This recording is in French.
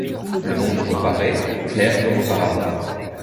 Le monde reparaît, clair comme auparavant ;